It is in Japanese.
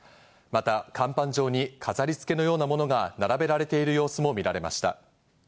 また甲板上に飾りつけないようなものが並べられている様子も見られました。